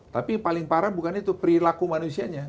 tapi paling parah bukan itu perilaku manusianya